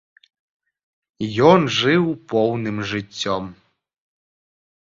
Ён жыў поўным жыццём.